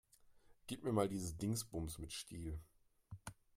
Gib mir mal dieses Dingsbums mit Stiel.